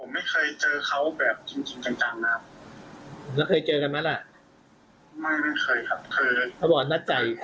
ผมไม่เคยเจอเขาแบบจริงจริงจังจังนะครับแล้วเคยเจอกันไหมล่ะ